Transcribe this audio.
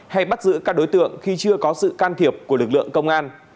hay bắt giữ các đối tượng khi chưa có sự can thiệp của lực lượng công an